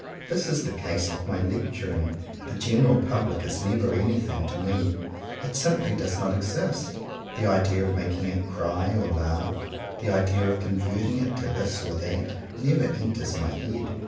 This is the case with my lecturing. The general public is never any thing to me. It simply does not exist. The idea of making it cry or laugh, the idea of converting it to this or that, never enters my head.